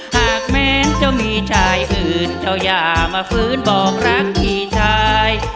หากแม้จะมีชายอื่นเจ้าอย่ามาฟื้นบอกรักพี่ชาย